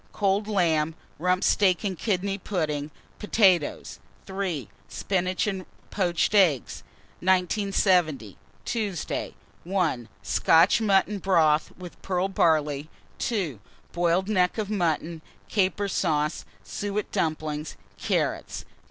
Cold lamb, Rump steak and kidney pudding, potatoes. 3. Spinach and poached eggs. 1970. Tuesday. 1. Scotch mutton broth with pearl barley. 2. Boiled neck of mutton, caper sauce, suet dumplings, carrots.